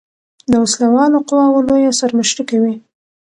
د وسله والو قواؤ لویه سر مشري کوي.